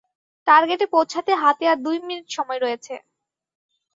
টার্গেটে পৌঁছাতে হাতে আর দুই মিনিট সময় রয়েছে।